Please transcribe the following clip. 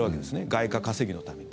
外貨稼ぎのために。